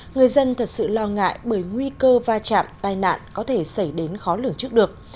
người dân thật sự lo ngại bởi nguy cơ va chạm tai nạn có thể xảy đến khó lường trước được